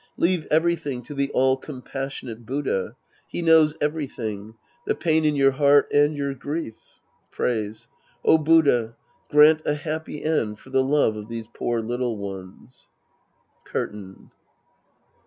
Leave everything to the all compassionate Buddha. He knows everything. The pain in your heart, and your grief. {Prays.) Oh, Buddha, grant a happy end for the love of these poor little ones ! {Curtain.)